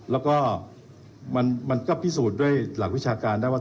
แล้วก็มันก็พิสูจน์ด้วยหลักวิชาการได้ว่า